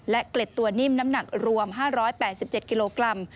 และเกล็ดตัวนิ่มน้ำหนักรวม๕๘๗กิโลกรัม